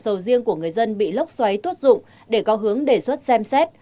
cây sầu riêng của người dân bị lốc xoáy tuốt dụng để có hướng đề xuất xem xét